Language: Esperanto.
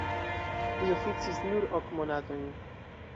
Li oficis nur ok monatojn.